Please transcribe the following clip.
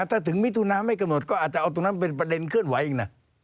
ถ้าถึงมิถุนาไม่กำหนดก็อาจจะเอาตรงนั้นเป็นประเด็นเคลื่อนไหวอีกนะ